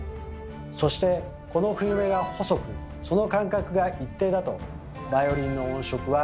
そしてこの冬目が細くその間隔が一定だとバイオリンの音色は均一で高品質になります。